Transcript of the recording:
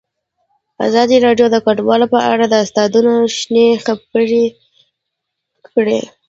ازادي راډیو د کډوال په اړه د استادانو شننې خپرې کړي.